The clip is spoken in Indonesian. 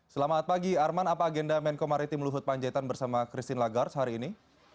selamat pagi arman apa agenda menko maritim luhut panjaitan bersama christine lagars hari ini